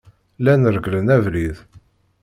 Llan regglen abrid.